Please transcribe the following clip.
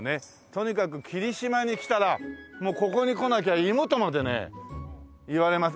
とにかく霧島に来たらここに来なきゃ芋とまでね言われます。